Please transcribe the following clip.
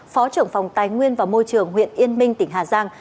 phó trưởng phòng tài nguyên và môi trường huyện yên minh tỉnh hà giang